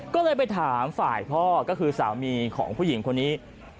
ก็เลยไปถามฝ่ายพ่อก็คือสามีของผู้หญิงคนนี้